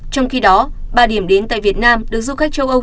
trong khi đó ba điểm đến tại việt nam được du khách châu âu